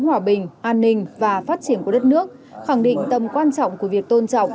hòa bình an ninh và phát triển của đất nước khẳng định tầm quan trọng của việc tôn trọng